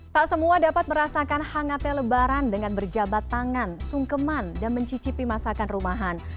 tak semua dapat merasakan hangatnya lebaran dengan berjabat tangan sungkeman dan mencicipi masakan rumahan